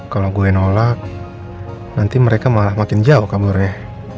kalau gue nolak nanti mereka malah makin jauh kaburnya